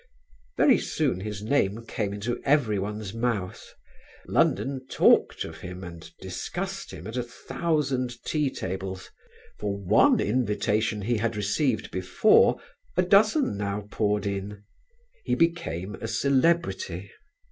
Very soon his name came into everyone's mouth; London talked of him and discussed him at a thousand tea tables. For one invitation he had received before, a dozen now poured in; he became a celebrity.